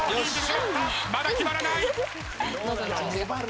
よし。